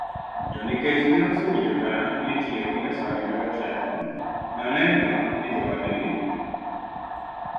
to nikech ne osewinjoga ni tiyo gi nyasore medo teko noneno ni jowadgi